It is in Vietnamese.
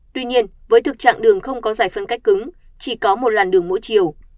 tuy nhiên với thực trạng đường không có giải phân cách cứng chỉ có một làn đường mỗi chiều